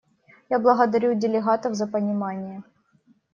Я благодарю делегатов за понимание.